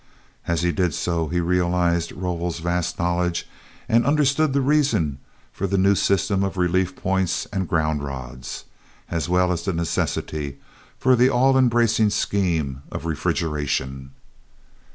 As he did so, he realized Rovol's vast knowledge and understood the reason for the new system of relief points and ground rods, as well as the necessity for the all embracing scheme of refrigeration.